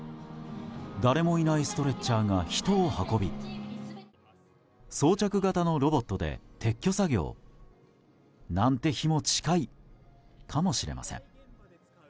誰もいないストレッチャーが人を運び装着型のロボットで撤去作業なんて日も近いかもしれません。